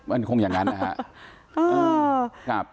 มันคงอย่างนั้นนะฮะ